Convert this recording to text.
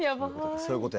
そういうことやな。